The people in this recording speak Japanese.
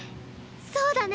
そうだね！